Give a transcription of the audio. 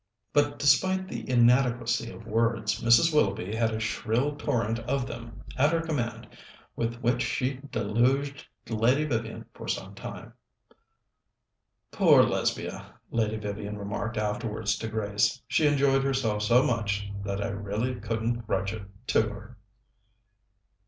But despite the inadequacy of words, Mrs. Willoughby had a shrill torrent of them at her command, with which she deluged Lady Vivian for some time. "Poor Lesbia!" Lady Vivian remarked afterwards to Grace; "she enjoyed herself so much that I really couldn't grudge it to her!"